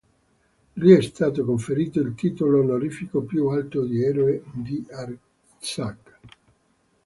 Gli è stato conferito il titolo onorifico più alto di Eroe di Artsakh.